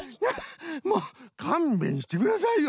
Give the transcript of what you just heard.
もうかんべんしてくださいよ。